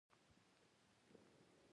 د نجونو تعلیم د ودونو تاوتریخوالي کموي.